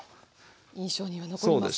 印象には残りますけども。